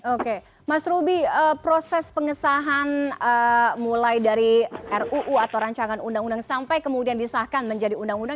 oke mas ruby proses pengesahan mulai dari ruu atau rancangan undang undang sampai kemudian disahkan menjadi undang undang